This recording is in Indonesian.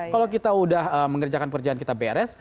kalau kita sudah mengerjakan pekerjaan kita beres